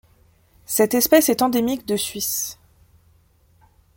Cette espèce est endémique de Suisse.